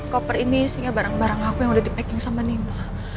koper ini isinya barang barang aku yang udah di packing sama nino